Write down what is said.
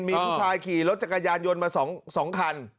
มีผู้ชายขี่รถจักรยานยนต์มา๒คัน